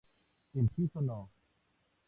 El suizo No.